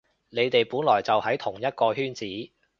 你哋本來就喺同一個圈子